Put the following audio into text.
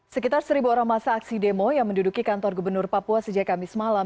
sekitar seribu orang masa aksi demo yang menduduki kantor gubernur papua sejak kamis malam